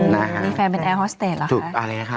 นี่แฟนเป็นแอร์ฮอสเตจเหรอคะ